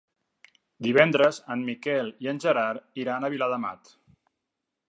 Divendres en Miquel i en Gerard iran a Viladamat.